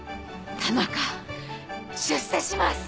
田中出世します！